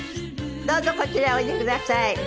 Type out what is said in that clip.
どうぞこちらへおいでください。